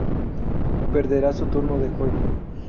Perderá su turno de juego.